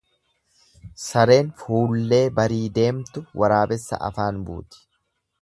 Sareen fuullee barii deemtu waraabessa afaan buuti.